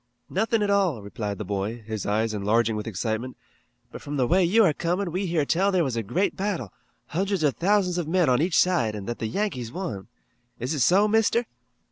"Nothin' at all," replied the boy, his eyes enlarging with excitement, "but from the way you are comin' we heard tell there was a great battle, hundreds of thousands of men on each side an' that the Yankees won. Is it so, Mister?"